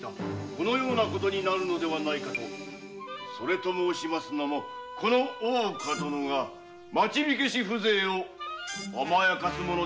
このようなことになるのではないかと。と申しますのも大岡殿が町火消し風情を甘やかすものですから。